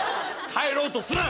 帰ろうとすな！